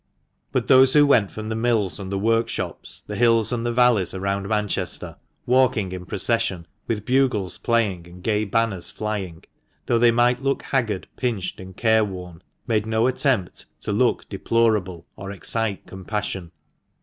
But those who went from the mills and the workshops, the hills and the valleys around Manchester, walking in procession, with bugles playing and gay banners flying, though they might look haggard, pinched and careworn, made no attempt to look deplorable, or excite compassion.